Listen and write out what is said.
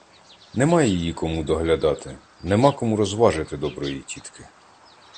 Нема її кому доглядати, нема кому розважити доброї тітки.